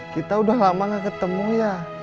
kita udah lama gak ketemu ya